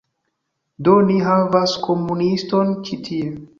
Do, ni havas komuniston ĉi tie